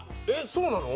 そうなの？